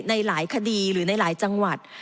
ในหลายคดีหรือในหลายจังหวัด